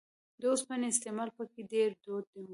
د اوسپنې استعمال په کې ډېر دود و